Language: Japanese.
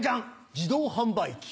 自動販売機。